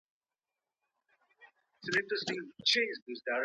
د ماشومانو خبرو ته غوږ نیول ډیر مهم دي.